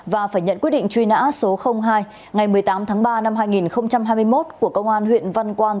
và phải nhận quyết định truy nã số hai ngày một mươi tám tháng ba năm hai nghìn hai mươi một của công an huyện văn quan